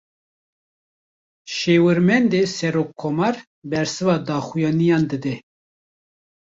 Şêwirmendê serokkomar, bersiva daxuyaniyan dide